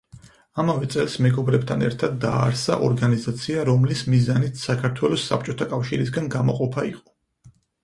ამავე წელს მეგობრებთან ერთად დააარსა ორგანიზაცია, რომლის მიზანიც საქართველოს საბჭოთა კავშირისგან გამოყოფა იყო.